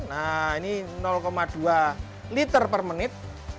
nah ini dua liter per menit